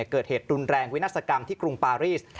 เกิดเหตุรุนแรงวินาศกรรมที่กรุงปารีส